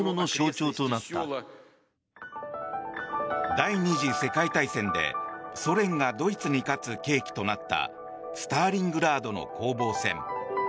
第２次世界大戦でソ連がドイツに勝つ契機となったスターリングラードの攻防戦。